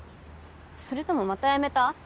それともまた辞めた？